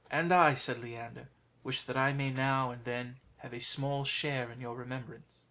"And I," said Leander, "wish that I may now and then have a small share in your remembrance."